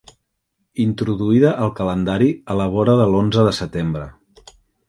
Introduïda al calendari a la vora de l'onze de setembre.